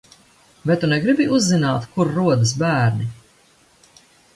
Vai tu negribi uzzināt, kur rodas bērni?